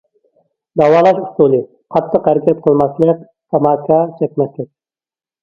داۋالاش ئۇسۇلى: قاتتىق ھەرىكەت قىلماسلىق، تاماكا چەكمەسلىك.